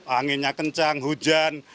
anginnya kencang hujan